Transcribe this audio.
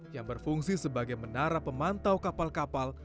yang berfungsi sebagai menara pemantau kapal kapal